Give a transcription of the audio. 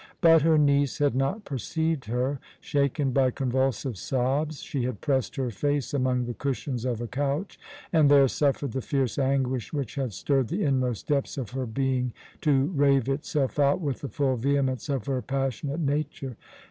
But her niece had not perceived her; shaken by convulsive sobs, she had pressed her face among the cushions of a couch, and there suffered the fierce anguish which had stirred the inmost depths of her being to rave itself out with the full vehemence of her passionate nature.